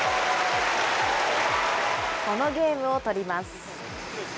このゲームを取ります。